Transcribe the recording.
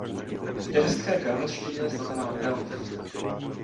V irské gaelštině znamená "elf".